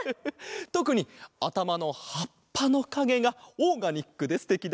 とくにあたまのはっぱのかげがオーガニックですてきだぞ。